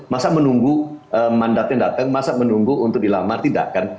masa menunggu mandatnya datang masa menunggu untuk dilamar tidak kan